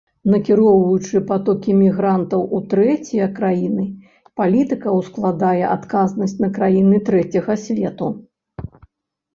Накіроўваючы патокі мігрантаў у трэція краіны, палітыка ускладае адказнасць на краіны трэцяга свету.